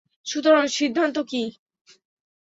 সুতরাং, সিদ্ধান্ত কী?